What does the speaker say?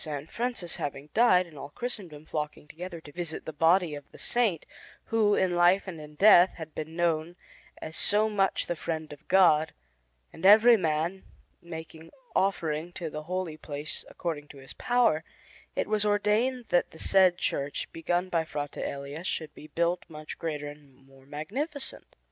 Francis having died, and all Christendom flocking together to visit the body of the Saint, who, in life and in death, had been known as so much the friend of God, and every man making offering to the holy place according to his power, it was ordained that the said church begun by Frate Elia should be built much greater and more magnificent.